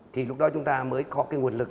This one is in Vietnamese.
thì lúc đó chúng ta mới có cái nguồn lực